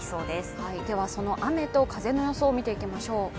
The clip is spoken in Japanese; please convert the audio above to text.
ではその雨と風の予想、見ていきましょう。